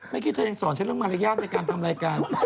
เมื่อกี้เธอยังสอนฉันเรื่องมารยาทในการทำรายการ